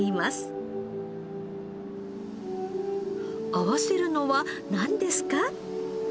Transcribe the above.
合わせるのはなんですか？